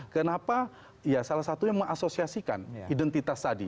kenapa ya salah satunya mengasosiasikan identitas tadi